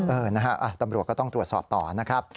เออนะฮะตำรวจก็ต้องตรวจสอบต่อนะครับ